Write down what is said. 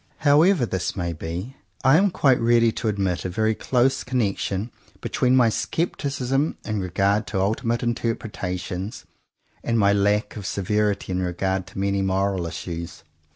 However this may be, I am quite ready to admit a very close connection between my scepticism in regard to ultimate interpre tations, and my lack of severity in regard to many moral issues.